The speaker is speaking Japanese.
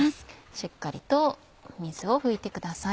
しっかりと水を拭いてください。